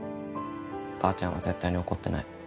ばあちゃんは絶対に怒ってない。